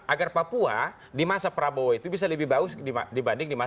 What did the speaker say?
agar papua di masa prabowo itu bisa lebih bagus dibanding di masa